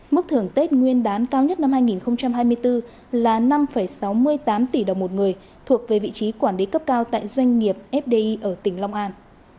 mức thưởng tết nguyên đán cao nhất năm hai nghìn hai mươi bốn là năm sáu mươi tám tỷ đồng một người thuộc về vị trí quản lý cấp cao tại doanh nghiệp fdi ở tỉnh long an